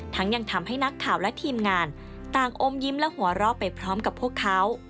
ยังทำให้นักข่าวและทีมงานต่างอมยิ้มและหัวเราะไปพร้อมกับพวกเขา